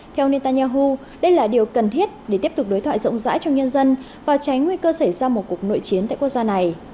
theo netanyahu đây là điều cần thiết để tiếp tục đối thoại rộng rãi trong nhân dân và tránh nguy cơ xảy ra một cuộc nội chiến tại quốc gia này